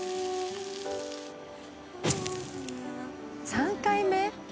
「３回目」？